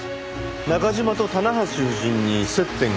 中嶋と棚橋夫人に接点があったと？